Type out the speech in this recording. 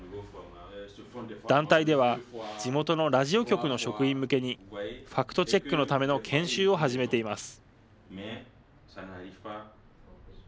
団体では地元のラジオ局の職員向けにファクトチェックのための研修を始めています。